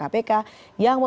yang meminta penyelamatkan